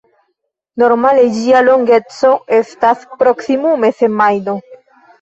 Normale ĝia longeco estas proksimume semajno.